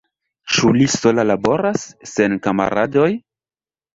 Ĉu li sola laboras, sen kamaradoj?